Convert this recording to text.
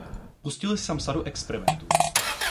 Pustil jsem sadu experimentů.